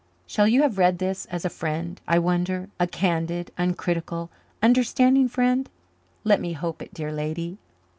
Shall you have read this as a friend, I wonder a candid, uncritical, understanding friend? Let me hope it, dear lady."